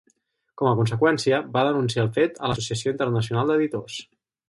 Com a conseqüència, va denunciar el fet a l'Associació Internacional d'Editors.